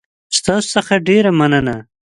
ستاسو څخه ډېره مننه